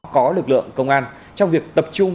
có lực lượng công an trong việc tập trung